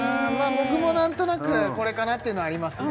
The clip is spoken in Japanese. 僕も何となくこれかなっていうのはありますね